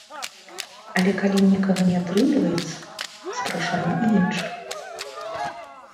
Але калі ў некага не атрымліваецца, запрашаем і іншых.